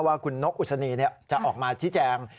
ว่าคุณนกอุศนีจะออกมาชี้แจง